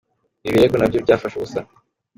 Ibi birego na byo byafashe ubusa.